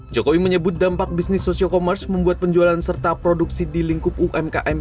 jokowi menyebut dampak bisnis social commerce membuat penjualan serta produksi di lingkup umkm